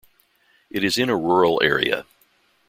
It is in a rural area.